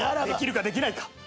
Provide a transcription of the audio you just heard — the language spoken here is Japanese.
できるかできないか。